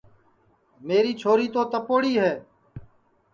میری چھوری تو تپوڑی ہے